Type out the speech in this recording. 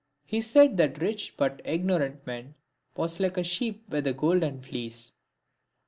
He said that a rich but ignorant man, was like a sheep with a golden fleece.